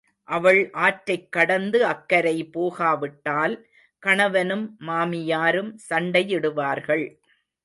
அவள் ஆற்றைக் கடந்து அக்கரை போகாவிட்டால், கணவனும் மாமியாரும் சண்டையிடுவார்கள்.